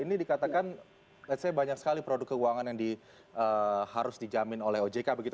ini dikatakan let's say banyak sekali produk keuangan yang harus dijamin oleh ojk begitu